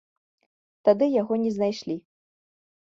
Тады яго не знайшлі.